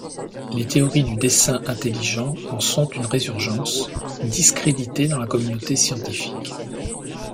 Les théories du dessein intelligent en sont une résurgence, discréditée dans la communauté scientifique.